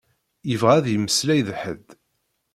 Yebɣa ad yemmeslay d ḥed.